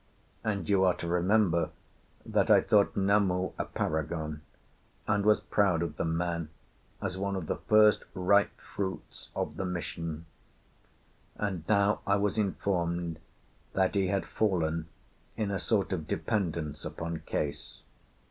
And you are to remember that I thought Namu a paragon, and was proud of the man as one of the first ripe fruits of the mission. And now I was informed that he had fallen in a sort of dependence upon Case.